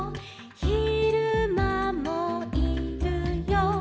「ひるまもいるよ」